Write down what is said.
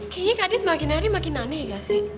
kayaknya kak dit makin nari makin aneh ga sih